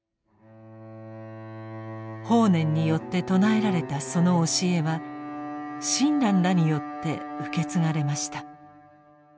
法然によって称えられたその教えは親鸞らによって受け継がれました。